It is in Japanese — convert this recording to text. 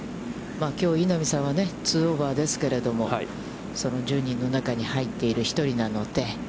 きょう稲見さんは、２オーバーですけれども、その１０人の中に入っている１人なので。